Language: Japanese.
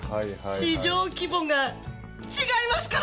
市場規模が違いますから！